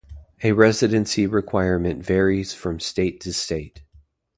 A residency requirement varies from state to state.